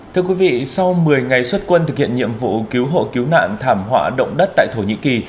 thưa quý vị sau một mươi ngày xuất quân thực hiện nhiệm vụ cứu hộ cứu nạn thảm họa động đất tại thổ nhĩ kỳ